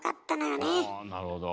おなるほど。